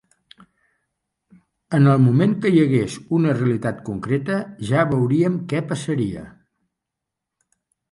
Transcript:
En el moment que hi hagués una realitat concreta ja veuríem què passaria.